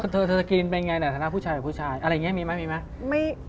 เธอจะกินเป็นยังไงในฐานะผู้ชายอะไรอย่างนี้มีไหม